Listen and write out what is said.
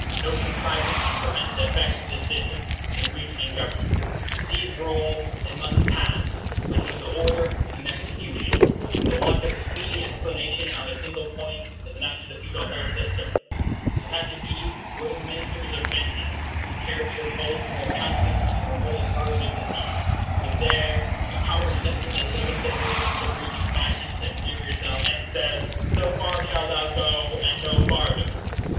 No contrivance can prevent the effect of this distance in weakening government. Seas roll, and months pass, between the order and the execution, and the want of a speedy explanation of a single point is enough to defeat a whole system. You have, indeed, winged ministers of vengeance, who carry your bolts in their pounces to the remotest verge of the sea. But there a power steps in that limits the arrogance of raging passions and furious elements, and says, SO FAR SHALL THOU GO, AND NO FARTHER.